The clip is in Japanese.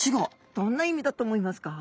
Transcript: どんな意味だと思いますか？